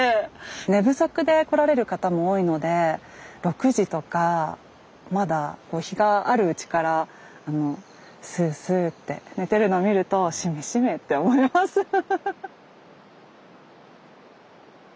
寝不足で来られる方も多いので６時とかまだ日があるうちからスースーって寝てるの見るとしめしめって思いますフフフフ。